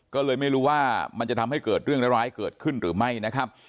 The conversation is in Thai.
ก็เลยไม่รู้ว่ามันจะทำให้เกิดเรื่องร้ายเกิดขึ้นหรือไม่นะครับ